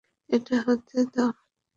এটা হতে দাও।